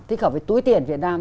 thích hợp với túi tiền việt nam